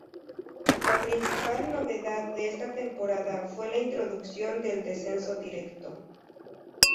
La principal novedad de esta temporada fue la introducción del descenso directo.